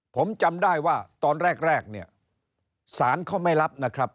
ผมจำได้ว่าตอนแรกเนี่ยศาลเขาไม่รับนะครับ